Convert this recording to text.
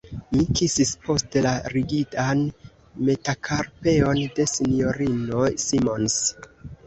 Mi kisis poste la rigidan metakarpeon de S-ino Simons.